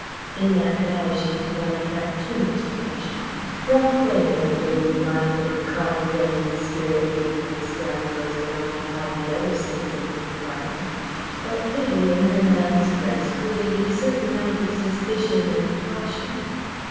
In that guise she did not attract too much attention. Rough play may have been in the mind of the card playing, spirit drinking scoundrels that occupied the other seats in the compartment, but Vivie in her man's dress created a certain amount of suspicion and caution.